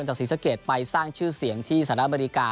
ศรีสะเกดไปสร้างชื่อเสียงที่สหรัฐอเมริกา